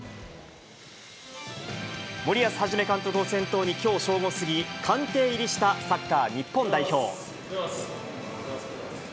森保一監督を先頭にきょう正午過ぎ、官邸入りしたサッカー日本代表。